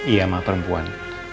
iya ma perempuan